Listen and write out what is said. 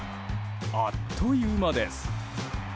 あっという間です。